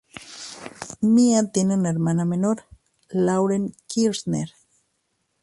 Mia tiene una hermana menor, Lauren Kirshner.